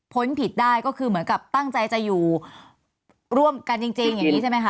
ผิดได้ก็คือเหมือนกับตั้งใจจะอยู่ร่วมกันจริงอย่างนี้ใช่ไหมคะ